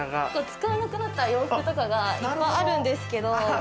使わなくなった洋服とかがいっぱいあるんですけど。